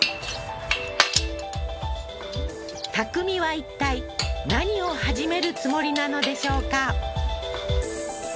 匠はいったい何を始めるつもりなのでしょうか？